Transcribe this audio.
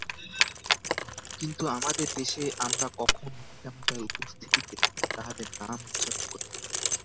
কিন্তু আমাদের দেশে আমরা কখনই পিতামাতার উপস্থিতিতে তাঁহাদের নাম উচ্চারণ করি না।